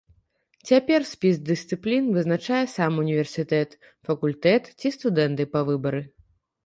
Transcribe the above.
Цяпер спіс дысцыплін вызначае сам універсітэт, факультэт ці студэнты па выбары.